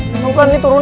kan lo yang bantu dorong